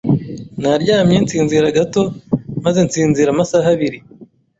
Naryamye nsinzira gato maze nsinzira amasaha abiri.